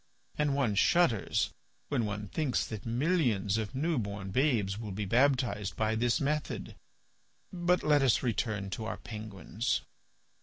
And one shudders when one thinks that millions of new born babes will be baptized by this method. But let us return to our penguins."